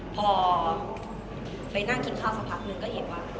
พอไปนั่งกินข้าวสักพักนึงก็เห็นว่า